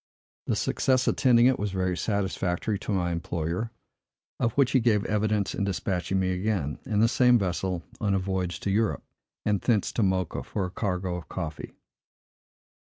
The success attending it was very satisfactory to my employer, of which he gave evidence in despatching me again, in the same vessel, on a voyage to Europe, and thence to Mocha, for a cargo of coffee.